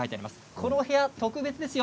この部屋、特別ですよ。